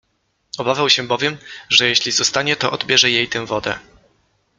Obawiał się bowiem, że, jeśli zostanie, to odbierze jej tę wodę.